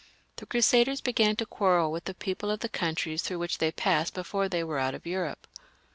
The Crusaders began to quarrel with the people of the countries through which they passed before they were out of Europe.